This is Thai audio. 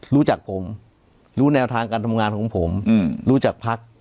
รู้จักผมรู้แนวทางการทำงานของผมรู้จักพัก